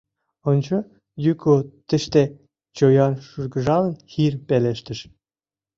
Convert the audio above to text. — Ончо, Юку тыште, — чоян шыргыжалын, Хирм пелештыш.